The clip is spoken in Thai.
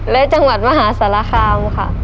และจังหวัดมหาสารคามค่ะ